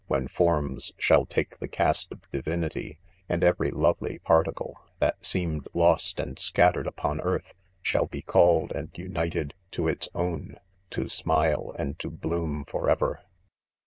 when forms shall take the cast of divinity, and every lovely par ticle, that seemed lost and scattered upon earth, shall he called and united to its own, to smile and to bloom forever.